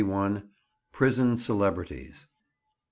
PRISON CELEBRITIES.